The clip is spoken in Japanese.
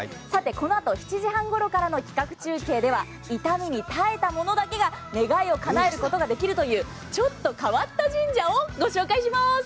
このあと７時半ごろからの企画中継では痛みに耐えたものだけが願いをかなえることができるというちょっと変わった神社をご紹介します！